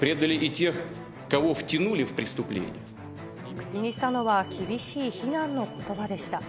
口にしたのは厳しい非難のことばでした。